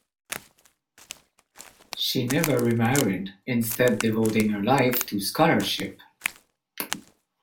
She never remarried, instead devoting her life to scholarship.